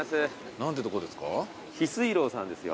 何てとこですか？